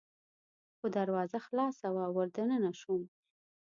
خو دروازه خلاصه وه، ور دننه شوم.